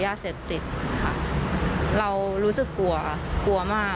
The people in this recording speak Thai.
ความโหโชคดีมากที่วันนั้นไม่ถูกในไอซ์แล้วเธอเคยสัมผัสมาแล้วว่าค